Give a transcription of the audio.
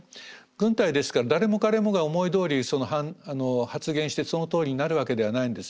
軍隊ですから誰も彼もが思いどおりに発言してそのとおりになるわけではないんです。